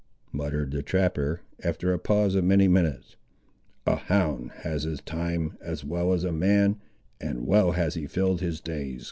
muttered the trapper, after a pause of many minutes; "a hound has his time as well as a man and well has he filled his days!